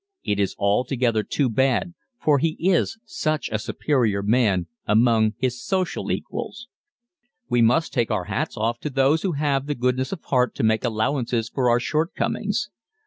It is altogether too bad for he is such a superior man among his social equals. We must take our hats off to those who have the goodness of heart to make allowance for our shortcomings.